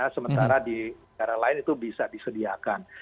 sementara di daerah lain itu bisa disediakan